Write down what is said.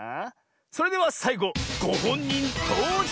それではさいごごほんにんとうじょうクイズ！